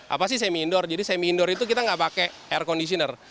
apa sih semi indoor jadi semi indoor itu kita nggak pakai air conditioner